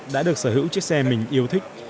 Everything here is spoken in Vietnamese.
đã được sở hữu chiếc xe mình yêu thích